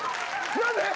すいません。